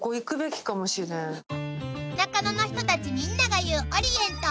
［中野の人たちみんなが言うオリエント］